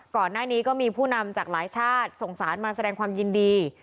ก่อนหน้านี้ก็มีผู้นำจากหลายชาติสงสารมาแสดงความยินดี